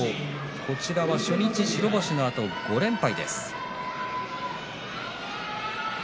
こちらは初日、白星のあと５連敗です。